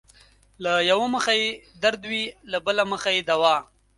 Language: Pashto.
له يؤه مخه يې درد وي له بل مخه يې دوا